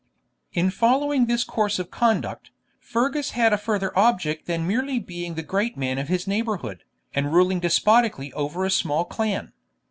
In following this course of conduct, Fergus had a further object than merely being the great man of his neighbourhood, and ruling despotically over a small clan.